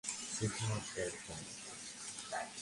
শুধুমাত্র একজন বাদে।